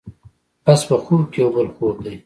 بس په خوب کې یو بل خوب دی.